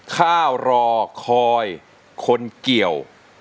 ข้าวรอคอยคนเกี่ยว